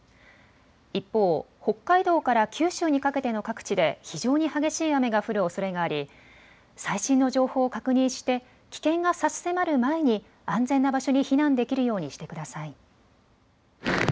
一方、北海道から九州にかけての各地で非常に激しい雨が降るおそれがあり最新の情報を確認して危険が差し迫る前に安全な場所に避難できるようにしてください。